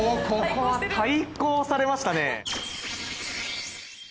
ここは対抗されましたね。